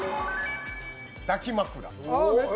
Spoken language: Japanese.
抱き枕。